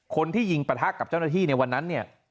คนที่ยิงประทักษ์กับเจ้าหน้าที่ในวันนั้น